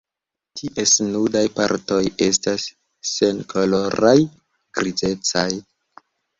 Ties nudaj partoj estas senkoloraj grizecaj.